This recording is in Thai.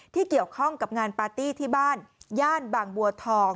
ที่เกี่ยวข้องกับงานปาร์ตี้ที่บ้านย่านบางบัวทอง